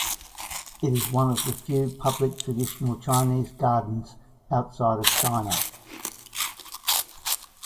It is one of the few public traditional Chinese gardens outside of China.